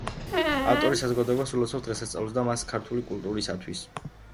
ავტორი საზოგადოებას ულოცავს დღესასწაულს და მას ქართული კულტურისათვის მნიშვნელოვან მოვლენად მიიჩნევს.